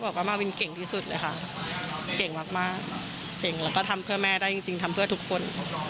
บอกว่ามาวินเก่งที่สุดเลยค่ะเก่งมากเก่งแล้วก็ทำเพื่อแม่ได้จริงทำเพื่อทุกคน